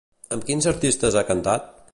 Amb quins artistes ha cantat?